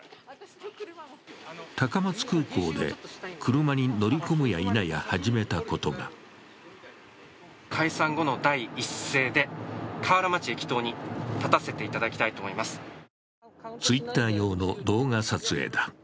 高松空港で、車に乗り込むやいなや始めたことがＴｗｉｔｔｅｒ用の動画撮影だ。